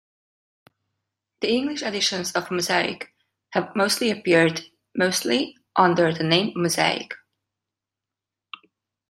The English editions of "Mosaik" have mostly appeared mostly under the name "Mosaic".